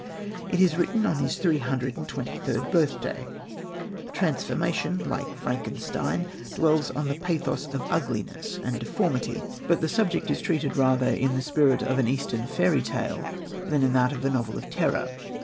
It is written on his three hundred and twenty third birthday. Transformation, like Frankenstein, dwells on the pathos of ugliness and deformity, but the subject is treated rather in the spirit of an eastern fairy tale than in that of a novel of terror.